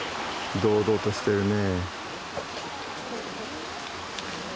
堂々としてるね。